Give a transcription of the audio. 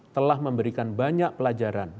telah memberikan banyak pelajaran